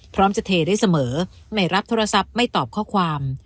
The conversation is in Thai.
พร้อมจะเทได้เสมอไม่รับโทรศัพท์ไม่ตอบข้อความ